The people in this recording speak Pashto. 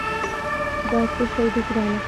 دا څه شي دي، ګرانه؟